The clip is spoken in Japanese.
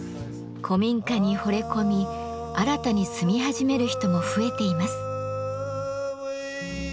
古民家にほれ込み新たに住み始める人も増えています。